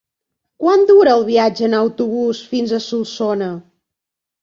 Quant dura el viatge en autobús fins a Solsona?